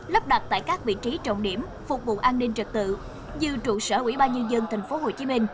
lắp đặt tại các vị trí trọng điểm phục vụ an ninh trật tự như trụ sở ubnd tp hcm